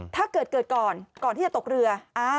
ถ้าเกิดเกิดก่อนก่อนที่จะตกเรือ